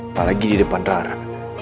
apalagi di depan rara